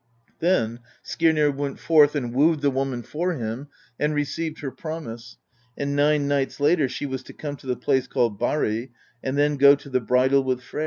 Then Skirnir went forth and wooed the woman for him, and received her promise; and nine nights later she was to come to the place called Barrey, and then go to the bridal with Freyr.